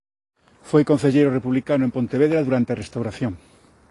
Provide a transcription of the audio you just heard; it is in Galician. Foi concelleiro republicano en Pontevedra durante a Restauración.